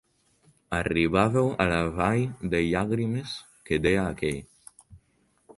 Arribàveu a la vall de llàgrimes, que deia aquell.